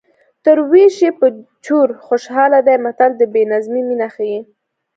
تر وېش یې په چور خوشحاله دی متل د بې نظمۍ مینه ښيي